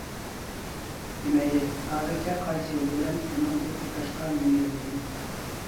دېمەيلى ھازىرچە قايسى يول بىلەن، ئۇنىڭ بۇ كۆكتاشقا مىنگەنلىكىنى.